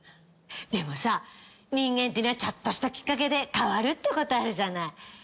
でもさ人間ってのはちょっとしたきっかけで変わるってことあるじゃない。